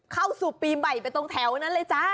เข้าสู่ปีใหม่ไปตรงแถวนั้นเลยจ้า